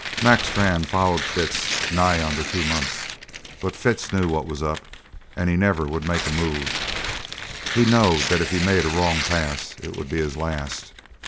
Mac Strann followed Fitz nigh onto two months, but Fitz knew what was up and he never would make a move. He knowed that if he made a wrong pass it would be his last.